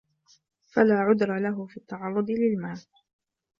فَلَا عُذْرَ لَهُ فِي التَّعَرُّضِ لِلْمَالِ